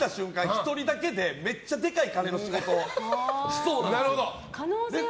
１人だけでめっちゃでかい仕事しそうです。